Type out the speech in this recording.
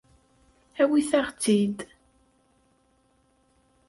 Awit-aɣ-tt-id.